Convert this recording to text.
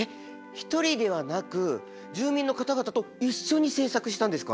一人ではなく住民の方々と一緒に制作したんですか？